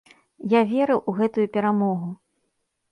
Я верыў у гэтую перамогу.